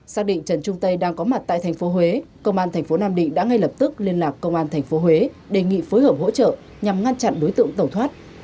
xác định trần trung tây đang có mặt tại thành phố huế công an thành phố nam định đã ngay lập tức liên lạc công an tp huế đề nghị phối hợp hỗ trợ nhằm ngăn chặn đối tượng tẩu thoát